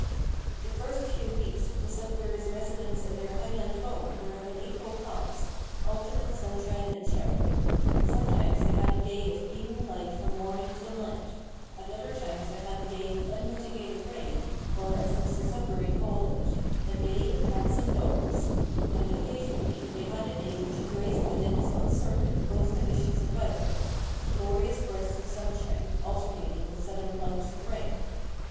The first few weeks of the Sudberrys' residence in their Highland home were of an April cast alternate sunshine and shower. Sometimes they had a day of beaming light from morning till night; at other times they had a day of unmitigated rain, or, as Mr Sudberry called it, "a day of cats and dogs;" and occasionally they had a day which embraced within its own circuit both conditions of weather glorious bursts of sunshine alternating with sudden plumps of rain.